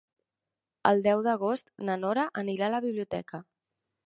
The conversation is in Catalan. El deu d'agost na Nora anirà a la biblioteca.